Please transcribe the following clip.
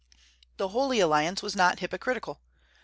The Holy Alliance was not hypocritical.